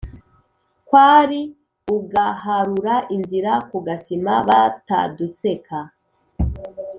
kwari ugaharura inzira, ku gasima bataduseka